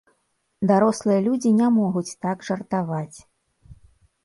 Дарослыя людзі не могуць так жартаваць.